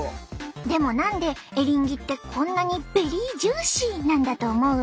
でも何でエリンギってこんなにベリージューシーなんだと思う？